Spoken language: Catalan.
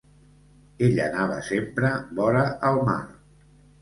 Ell anava sempre vora el mar